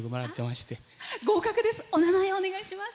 お名前をお願いします。